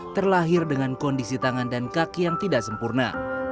terlahir dengan kondisi tangan dan kaki yang tidak sempurna